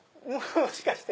もしかして。